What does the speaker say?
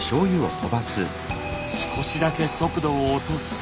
少しだけ速度を落とすと。